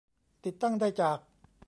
ติดตั้งได้จาก